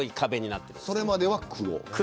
それまでは黒。